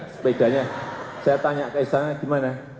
sepedanya saya tanya ke istana gimana